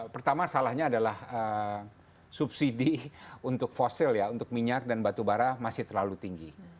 pertama salahnya adalah subsidi untuk fosil ya untuk minyak dan batu bara masih terlalu tinggi